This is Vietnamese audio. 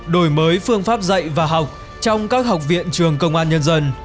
đổi mới phương pháp dạy và học trong các học viện trường công an nhân dân